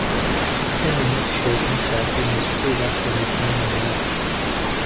He may not show himself in the street after the sun was up.